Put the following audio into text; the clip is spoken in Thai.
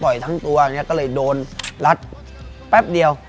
จะต่อยทั้งตัวก็เลยโดนรัดแป๊บเดียว